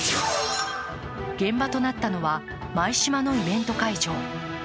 現場となったのは舞洲のイベント会場。